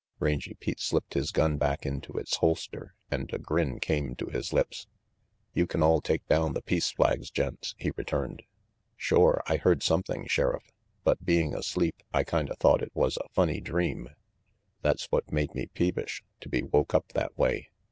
Rangy Pete slipped his gun back into its holster and a grin came to his lips. "You can all take down the peace flags, gents," he returned. "Shore, I heard something, Sheriff. But being asleep, I kinda thought it was a funny dream. That's what made me peevish, to be woke up that way.